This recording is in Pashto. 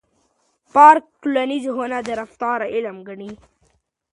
پارک ټولنپوهنه د رفتار علم ګڼي.